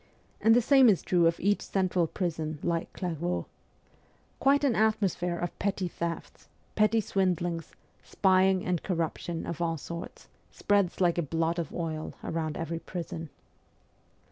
And the same is true of each central prison like Clair vaux. Quite an atmosphere of petty thefts, petty swindlings, spying and corruption of all sorts spreads like a blot of oil round every prison.